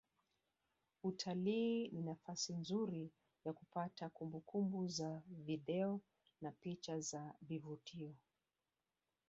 Utalii ni nafasi nzuri ya kupata kumbukumbu za video na picha za vivutio